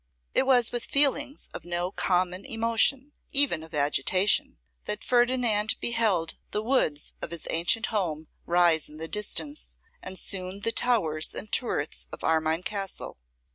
It was with feelings of no common emotion, even of agitation, that Ferdinand beheld the woods of his ancient home rise in the distance, and soon the towers and turrets of Armine Castle.